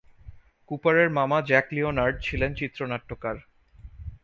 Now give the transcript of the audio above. কুপারের মামা Jack Leonard ছিলেন চিত্রনাট্যকার।